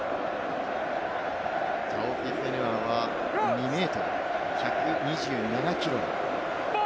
タオフィフェヌアは２ｍ、１２７ｋｇ。